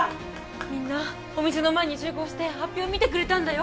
みんなお店の前に集合して発表見てくれたんだよ